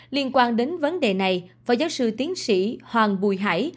liên quan đến vấn đề này phó giáo sư tiến sĩ hoàng bùi hải